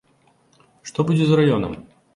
Што будзе з раёнам?